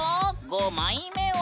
５枚目は！